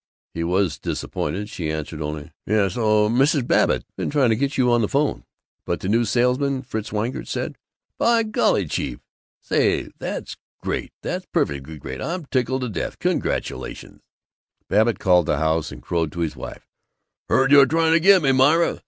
He was disappointed. She answered only, "Yes Oh, Mrs. Babbitt's been trying to get you on the 'phone." But the new salesman, Fritz Weilinger, said, "By golly, chief, say, that's great, that's perfectly great! I'm tickled to death! Congratulations!" Babbitt called the house, and crowed to his wife, "Heard you were trying to get me, Myra.